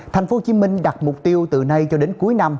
tp hcm đặt mục tiêu từ nay cho đến cuối năm